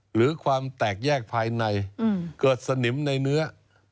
หรือความแตกแยกภายในเกิดสนิมในเนื้อ